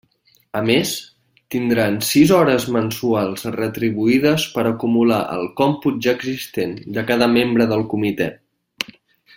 A més, tindran sis hores mensuals retribuïdes per acumular al còmput ja existent de cada membre del comitè.